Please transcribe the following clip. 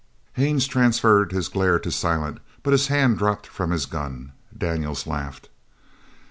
Haines transferred his glare to Silent, but his hand dropped from his gun. Daniels laughed.